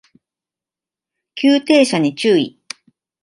急停車に注意